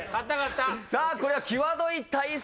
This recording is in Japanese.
さぁこれは際どい対戦に。